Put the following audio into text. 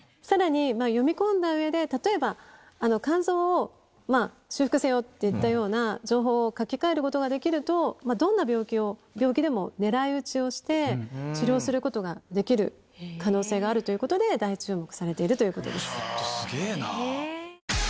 さらに読み込んだうえで、例えば肝臓を修復せよといったような情報を書き換えることができると、どんな病気でも狙い撃ちをして、治療することができる可能性があるということで、大注目さすげえなあ。